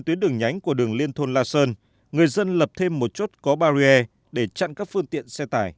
tuyến đường nhánh của đường liên thôn la sơn người dân lập thêm một chốt có barrier để chặn các phương tiện xe tải